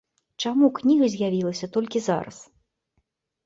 Чаму кніга з'явілася толькі зараз?